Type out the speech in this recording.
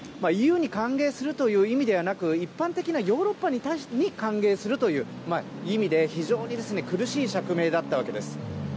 ＥＵに歓迎するという意味ではなく一般的なヨーロッパに歓迎するという意味で非常に苦しい釈明だったわけです。